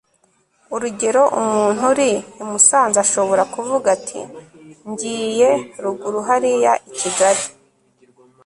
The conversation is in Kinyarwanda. urugero umuntu uri i musanze ashobora kuvuga ati ngiye ruguru hariya i kigali